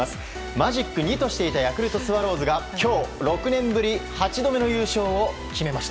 マジック２としていたヤクルトスワローズが今日、６年ぶり８度目の優勝を決めました。